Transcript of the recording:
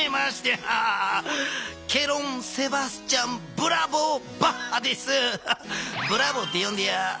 「ブラボー」ってよんでや。